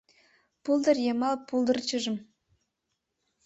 Пулдыр йымал пулдырчыжым